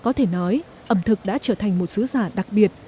có thể nói ẩm thực đã trở thành một sứ giả đặc biệt